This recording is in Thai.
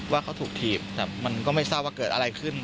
ว่าเขาถูกถีบแต่มันก็ไม่ทราบว่าเกิดอะไรขึ้น